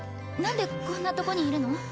なんでこんなとこにいるの？